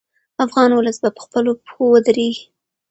افغان ولس به په خپلو پښو ودرېږي.